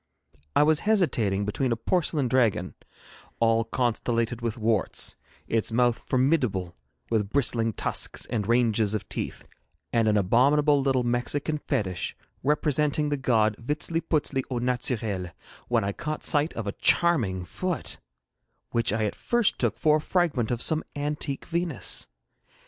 I was hesitating between a porcelain dragon, all constellated with warts, its mouth formidable with bristling tusks and ranges of teeth, and an abominable little Mexican fetich, representing the god Vitziliputzili au naturel, when I caught sight of a charming foot, which I at first took for a fragment of some antique Venus.